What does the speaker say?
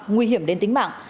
nguy hiểm đến tính mạng